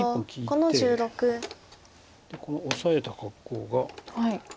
このオサえた格好が。